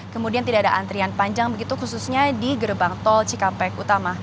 kemudian tidak ada antrian panjang begitu khususnya di gerbang tol cikampek utama